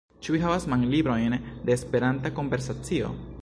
Ĉu vi havas manlibrojn de esperanta konversacio?